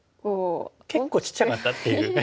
結構ちっちゃかったっていう。